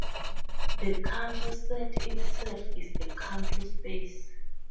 The Cantor set itself is a Cantor space.